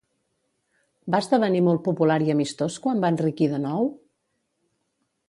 Va esdevenir molt popular i amistós quan va enriquir de nou?